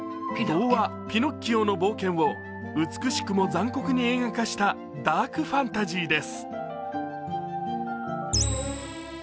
童話「ピノッキオの冒険」を美しくも残酷に映画化したダークファンタジーです。